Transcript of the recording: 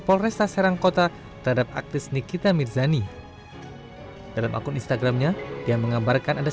polresta serangkota terhadap aktif nikita mirzani dalam akun instagramnya yang menggambarkan ada